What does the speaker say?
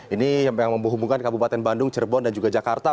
ini yang menghubungkan kabupaten bandung cirebon dan juga jakarta